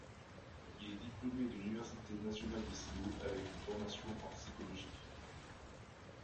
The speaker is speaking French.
Il est diplômé de l'université nationale de Séoul avec une formation en psychologie.